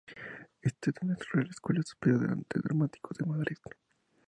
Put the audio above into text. Estudió en la Real Escuela Superior de Arte Dramático de Madrid.